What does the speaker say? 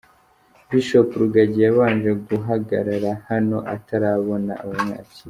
Bishop Rugagi yabanje guhagarara hano atarabona abamwakira.